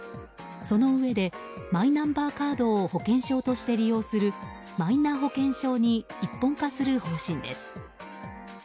そのうえでマイナンバーカードを保険証として利用するマイナ保険証に一本化する方針です。